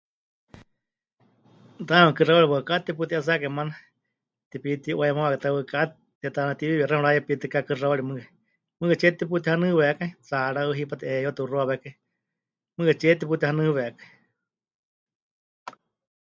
Taame kɨxauri waɨká teputi'etsakai maana, tepiti'uayemawakai ta waɨká, tete'anatiwiwixɨame mɨrayepitɨká kɨxauri mɨɨkɨ, mɨɨkɨtsíe teputihanɨwekai, tsaaráɨ hipátɨ 'eyeyeutɨ puxuawékai, mɨɨkɨtsie teputihanɨwekai.